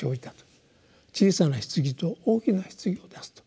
小さな棺と大きな棺を出すと。